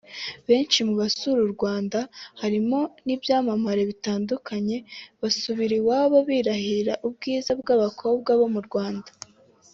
Benshi mu basura u Rwanda harimo n’ibyamamare bitandukanye basubira iwabo birahira ubwiza bw’abakobwa bo mu Rwanda